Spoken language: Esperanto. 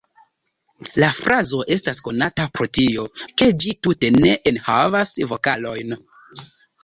La frazo estas konata pro tio, ke ĝi tute ne enhavas vokalojn.